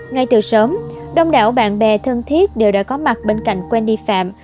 ngay từ sớm đông đảo bạn bè thân thiết đều đã có mặt bên cạnh wendy phạm